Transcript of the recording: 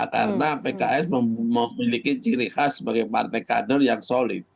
karena pks memiliki ciri khas sebagai partai kader yang solid